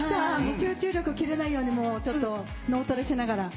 集中力切れないように、ちょっと、脳トレしながら。